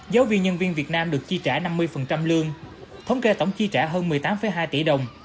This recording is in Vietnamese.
giáo viên nhân viên việt nam được chi trả năm mươi lương thống kê tổng chi trả hơn một mươi tám hai tỷ đồng